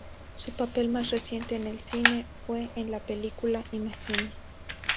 Su papel más reciente en el cine fue en la película Imagine.